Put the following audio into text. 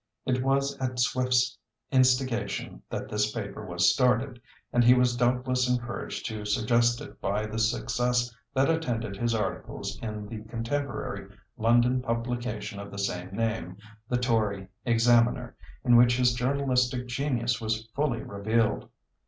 It was at Swift's instigation that this paper was started, and he was doubtless encouraged to suggest it by the success that attended his articles in the contemporary London publication of the same name, the Tory Examiner, in which his journalistic genius was fully revealed.